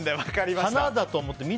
花だと思って。